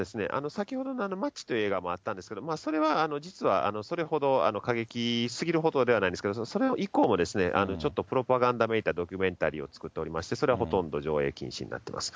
先ほどのマッチという映画があったんですけど、それは実はそれほど過激すぎるほどではないんですけど、それ以降も、ちょっとちょっとプロパガンダめいたドキュメンタリーを作っておりまして、それはほとんど上映禁止になっています。